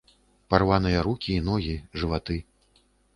Парваныя рукі і ногі, жываты.